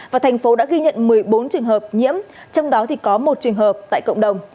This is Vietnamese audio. và thành phố đã ghi nhận một mươi bốn trường hợp nhiễm trong đó có một trường hợp tại cộng đồng